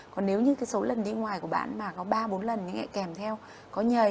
còn nếu như cái số lần đi ngoài của bạn mà có ba bốn lần thì lại kèm theo có nhầy